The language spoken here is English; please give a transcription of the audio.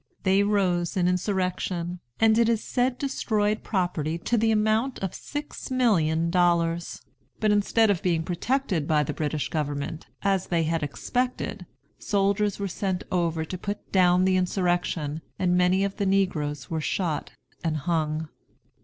They rose in insurrection, and it is said destroyed property to the amount of six millions of dollars. But instead of being protected by the British government, as they had expected, soldiers were sent over to put down the insurrection, and many of the negroes were shot and hung.